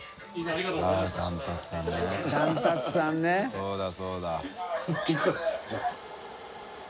そうだそうだ。